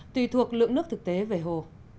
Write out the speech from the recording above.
tùy thuộc lượng nước thực tế về hồ